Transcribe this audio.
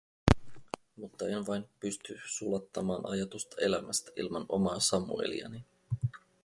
Mutta en vain pysty sulattamaan ajatusta elämästä ilman omaa Samueliani.